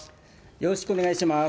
よろしくお願いします。